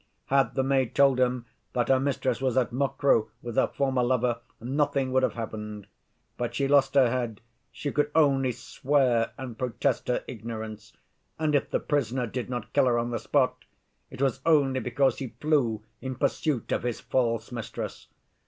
"Had the maid told him that her mistress was at Mokroe with her former lover, nothing would have happened. But she lost her head, she could only swear and protest her ignorance, and if the prisoner did not kill her on the spot, it was only because he flew in pursuit of his false mistress.